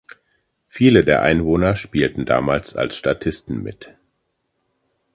Viele der Einwohner spielten damals als Statisten mit.